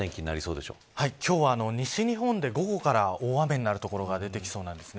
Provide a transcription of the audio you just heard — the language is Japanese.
今日は西日本で午後から大雨になる所が出てきそうなんです。